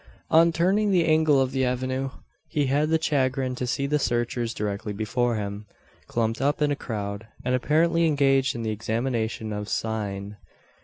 On turning the angle of the avenue, he had the chagrin to see the searchers directly before him, clumped up in a crowd, and apparently engaged in the examination of "sign."